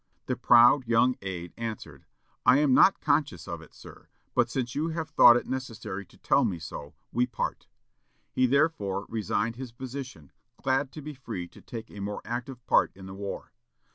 The proud young aid answered, "I am not conscious of it, sir; but since you have thought it necessary to tell me so, we part." He therefore resigned his position, glad to be free to take a more active part in the war.